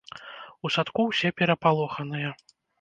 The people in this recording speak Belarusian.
У садку ўсе перапалоханыя.